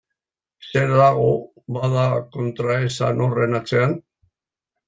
Zer dago, bada, kontraesan horren atzean?